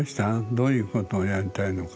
どういうことをやりたいのか。